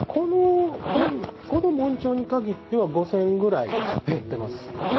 この紋帳にかぎっては５０００ぐらい載ってます。